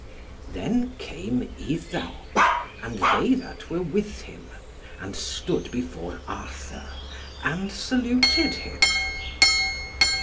Then came Iddawc and they that were with him, and stood before Arthur, and saluted him.